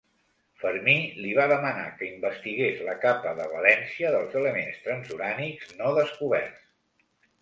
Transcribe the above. Fermi li va demanar que investigués la capa de valència dels elements transurànics no descoberts.